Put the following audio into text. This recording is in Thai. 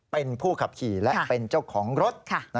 เป็นผู้ขับขี่และเป็นเจ้าของรถ